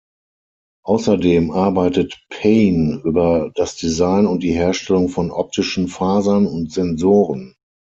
Außerdem arbeitet Payne über das Design und die Herstellung von optischen Fasern und Sensoren.